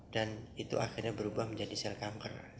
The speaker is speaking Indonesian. dan itu akhirnya berubah menjadi sel kanker